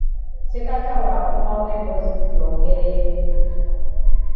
Ssekatawa akomawo emboozi tugyongereyo.